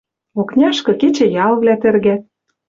Окняшкы кечӹялвлӓ тӹргӓт